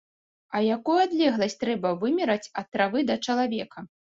А якую адлегласць трэба вымераць ад травы да чалавека?!